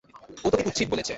ও তোকে কুৎসিত বলেছে?